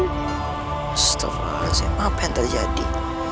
astagfirullahaladzim apa yang terjadi